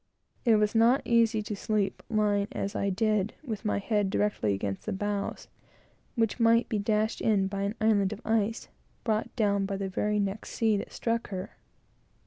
It was not easy to sleep, lying, as I did, with my head directly against the bows, which might be dashed in by an island of ice, brought down by the very next sea that struck her.